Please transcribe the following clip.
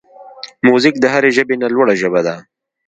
موزیک د هر ژبې نه لوړه ژبه ده.